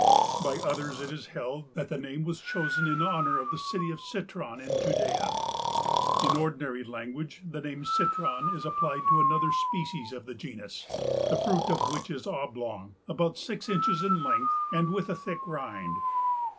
By others it is held that the name was chosen in honor of the city of Citron in Judea. In ordinary language the name citron is applied to another species of the genus, the fruit of which is oblong, about six inches in length and with a thick rind.